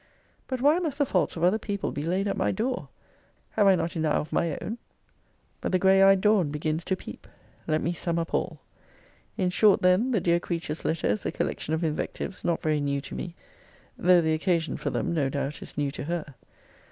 But why must the faults of other people be laid at my door? Have I not enow of my own? But the grey eyed dawn begins to peep let me sum up all. In short, then, the dear creature's letter is a collection of invectives not very new to me: though the occasion for them, no doubt is new to her.